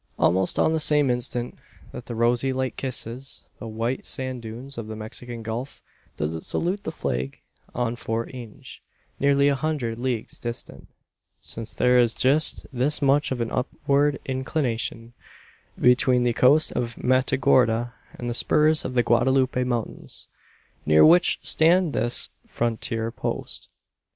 Almost on the same instant that the rosy light kisses the white sand dunes of the Mexican Gulf, does it salute the flag on Fort Inge, nearly a hundred leagues distant: since there is just this much of an upward inclination between the coast at Matagorda and the spurs of the Guadalupe mountains, near which stand this frontier post.